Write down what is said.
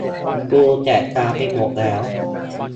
กูแสบตาไปหมดแล้ว